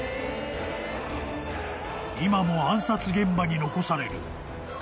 ［今も暗殺現場に残される］